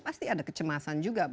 pasti ada kecemasan juga